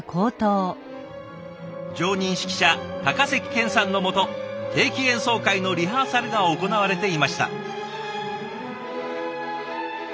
常任指揮者高関健さんのもと定期演奏会のリハーサルが行われていました。